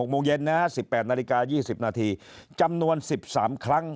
โมงเย็นนะ๑๘นาฬิกา๒๐นาทีจำนวน๑๓ครั้ง